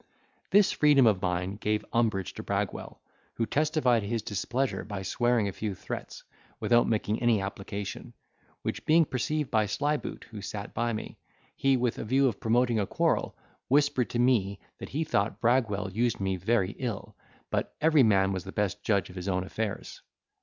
This freedom of mine gave umbrage to Bragwell, who testified his displeasure by swearing a few threats, without making any application; which, being perceived by Slyboot, who sat by me, he, with a view of promoting a quarrel, whispered to me, that he thought Bragwell used me very ill, but every man was the best judge of his own affairs.